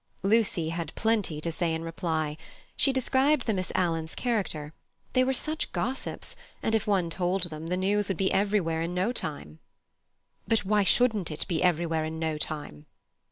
Lucy had plenty to say in reply. She described the Miss Alans' character: they were such gossips, and if one told them, the news would be everywhere in no time. "But why shouldn't it be everywhere in no time?"